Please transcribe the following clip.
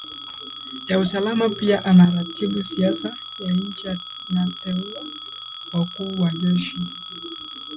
ya usalama pia anaratibu siasa ya nje Anateua wakuu wa jeshi